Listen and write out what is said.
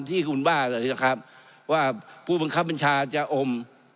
ที่คุณบ้านะครับว่าผู้บังคับบัญชาจะอม